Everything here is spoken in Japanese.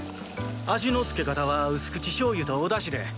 味の付け方は薄口しょうゆとおだしで。